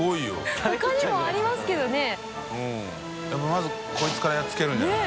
まずこいつからやっつけるんじゃない？